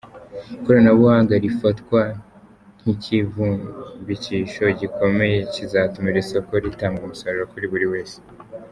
Ikoranabuhanga rifatwa nk’ikivumbikisho gikomeye kizatuma iri soko ritanga umusaruro kuri buri wese.